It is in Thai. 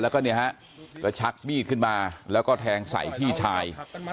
แล้วก็เนี่ยฮะก็ชักมีดขึ้นมาแล้วก็แทงใส่พี่ชาย